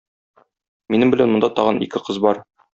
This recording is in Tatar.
Минем белән монда тагын ике кыз бар.